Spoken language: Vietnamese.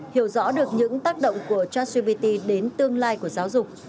hiểu rõ được những tác động của chasgpt đến tương lai của giáo dục